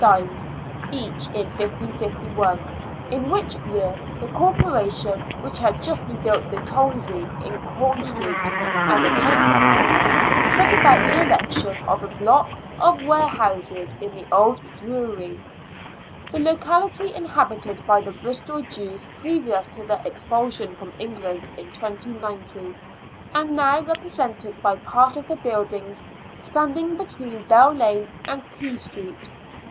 each in 1551, in which year the Corpora tion, which had just rebuilt the Tolzey in Com Street as a Council House, set about the erection of a block of ware houses in the " Old Jewry," the locality inhabited by the Bristol Jews previous to their expulsion from England in 1290, and now represented by part of the buildings standing between Bell Lane and Quay Street.